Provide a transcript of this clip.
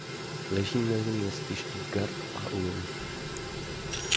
Leží mezi městy Stuttgart a Ulm.